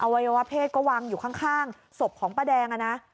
วัยวะเพศก็วางอยู่ข้างศพของป้าแดงอะนะ